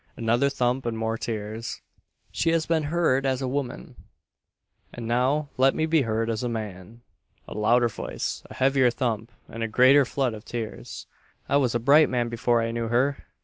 (Another thump and more tears.) "She has been heard as a woman, and now let me be heard as a man!" (A louder voice, a heavier thump, and a greater flood of tears.) "I was a bright man before I knew her!